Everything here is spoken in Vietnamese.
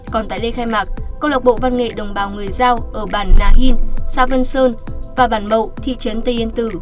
còn tại lê khai mạc công lộc bộ văn nghệ đồng bào người giao ở bàn nà hìn sa vân sơn và bàn mậu thị trấn tây yên tử